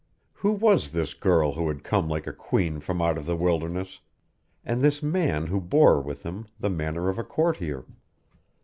Who was this girl who had come like a queen from out of the wilderness, and this man who bore with him the manner of a courtier?